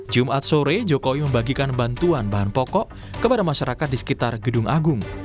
jumat sore jokowi membagikan bantuan bahan pokok kepada masyarakat di sekitar gedung agung